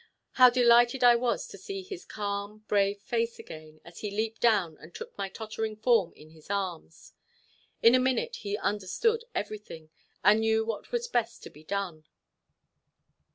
How delighted I was to see his calm brave face again, as he leaped down, and took my tottering form in his arms. In a minute he understood everything, and knew what was best to be done.